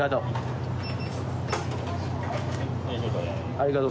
ありがとう。